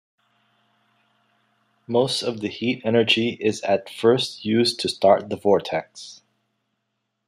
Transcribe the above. Most of the heat energy is at first used to start the vortex.